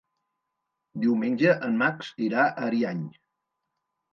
Diumenge en Max irà a Ariany.